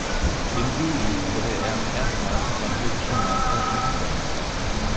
Im Juli wurde er erstmals französischer Meister im Hindernislauf.